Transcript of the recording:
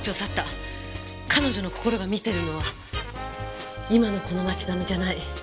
彼女の心が見てるのは今のこの街並みじゃない。